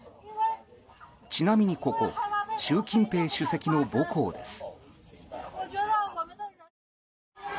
ちなみにここ習近平主席の母校です。